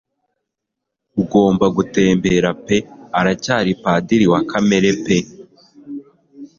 Ugomba gutembera pe aracyari padiri wa Kamere pe